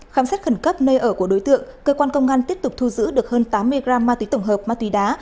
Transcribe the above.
khám xét khẩn cấp nơi ở của đối tượng cơ quan công an tiếp tục thu giữ được hơn tám mươi gram ma túy tổng hợp ma túy đá